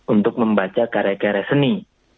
untuk membaca karya karya seni